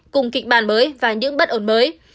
cùng kịch bản mới và những bất ổn mới